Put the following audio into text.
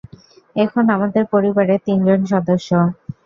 এখন, আমাদের পরিবারে তিনজন সদস্য।